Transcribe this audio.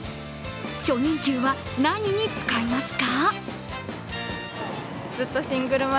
初任給は何に使いますか？